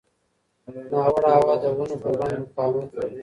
ناوړه هوا د ونو پر وړاندې مقاومت لري.